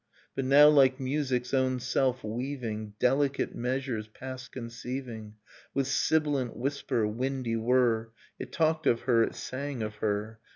But now like music's own self, weaving Delicate measures past conceiving, With sibilant whisper, windy whir, It talked of her, it sang of her.